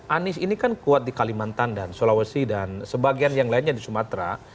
anies ini kan kuat di kalimantan dan sulawesi dan sebagian yang lainnya di sumatera